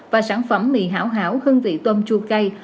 và sản phẩm mì hảo hương vị tôm chua cây